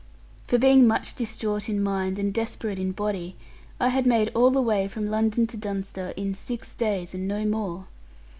For being much distraught in mind, and desperate in body, I had made all the way from London to Dunster in six days, and no more.